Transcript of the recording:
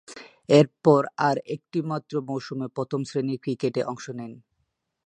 এরপর আর একটিমাত্র মৌসুমে প্রথম-শ্রেণীর ক্রিকেটে অংশ নেন।